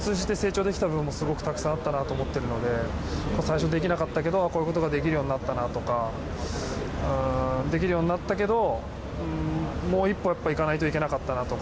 出来たら良かったなと思うことあとは正直この大会を通じて成長できた部分もすごくたくさんあったなと思っているので最終的にはこういうことができるようになったなとかできるようになったけどもう一歩いかないといけなかったなとか